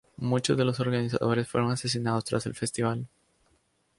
Muchos de los organizadores fueron asesinados tras el festival.